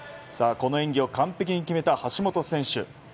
この演技を完璧に決めた橋本選手。